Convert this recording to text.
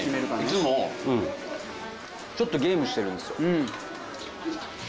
いつもゲームしてるんですよ。